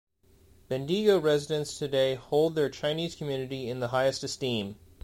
Bendigo residents today hold their Chinese Community in the highest esteem.